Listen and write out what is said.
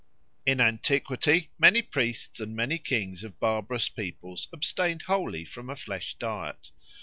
In antiquity many priests and many kings of barbarous peoples abstained wholly from a flesh diet.